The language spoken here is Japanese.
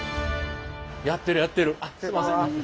やってるやってる。あっすんません。